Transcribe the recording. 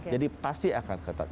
jadi pasti akan ketat